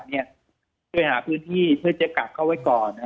ต้องช่วยหาที่เพื่อที่จะกลับเข้าไว้ก่อน